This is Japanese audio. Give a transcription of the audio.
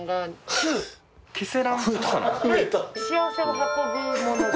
幸せを運ぶもの。